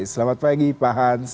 selamat pagi pak hans